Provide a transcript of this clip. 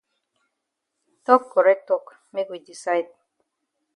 Tok correct tok make we decide.